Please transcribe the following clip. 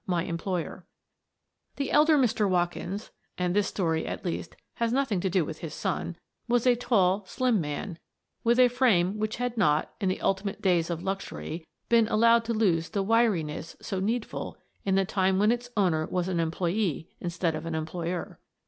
my employer. The elder Mr. Watkins — and this story, at least, has nothing to do with his son — was a tall, slim man with a frame which had not, in the ulti mate days of luxury, been allowed to lose the wiri ness so needful in the time when its owner was an employee instead of an employer.